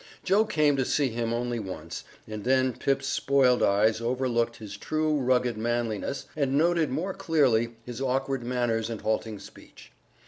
Joe came to see him only once, and then Pip's spoiled eyes overlooked his true, rugged manliness and noted more clearly his awkward manners and halting speech.